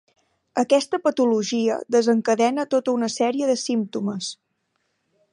Aquesta patologia desencadena tota una sèrie de símptomes.